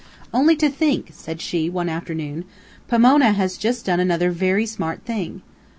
"Only to think!" said she, one afternoon, "Pomona has just done another VERY smart thing.